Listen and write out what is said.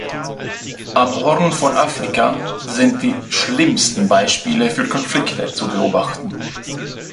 Am Horn von Afrika sind die schlimmsten Beispiele für Konflikte zu beobachten.